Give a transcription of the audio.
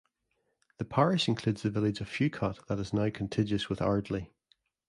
The parish includes the village of Fewcott that is now contiguous with Ardley.